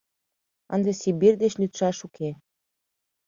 Ынде Сибирь деч лӱдшаш уке.